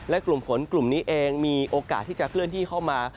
และกลุ่มฝนกลุ่มนี้เองมีโอกาสที่จะเคลื่อนที่เข้ามา